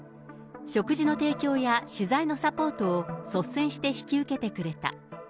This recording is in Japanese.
食事の提供や取材のサポートを率先して引き受けてくれた。